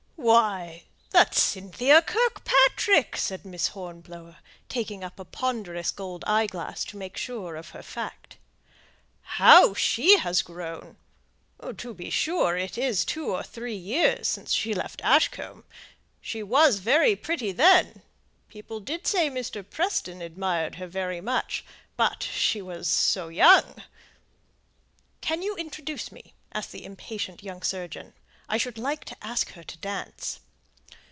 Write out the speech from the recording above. "Why, that's Cynthia Kirkpatrick!" said Miss Hornblower, taking up a ponderous gold eyeglass to make sure of her fact. "How she has grown! To be sure, it is two or three years since she left Ashcombe she was very pretty then people did say Mr. Preston admired her very much; but she was so young!" "Can you introduce me?" asked the impatient young surgeon. "I should like to ask her to dance."